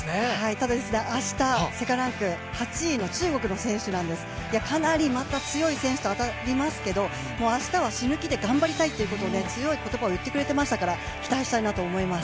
ただ明日世界ランク８位の中国の選手なんですけどかなりまた強い選手と当たりますけど、明日は死ぬ気で頑張りたいということを強い言葉を言ってくれてましたから、期待したいなと思います。